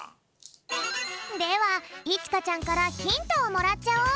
ではいちかちゃんからヒントをもらっちゃおう！